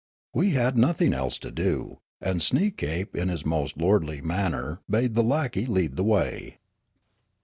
We had nothing else to do, and Sneekape in his most lordly manner bade the lackey lead the way.